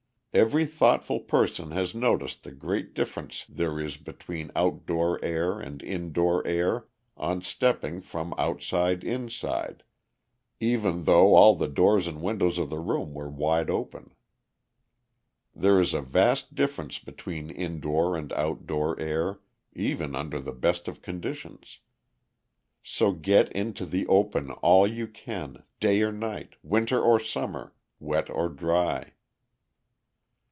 Every thoughtful person has noticed the great difference there is between outdoor air and indoor air, on stepping from outside inside, even through all the doors and windows of the room were wide open. There is a vast difference between indoor and outdoor air, even under the best of conditions; so get into the open all you can, day or night, winter or summer, wet or dry.